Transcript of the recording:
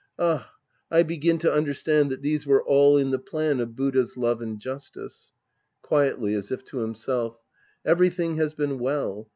Ah ! I begin to understand that these were all in the plan of Buddha's love and justice. {Quietly, as if to himself^ Every thing has been well.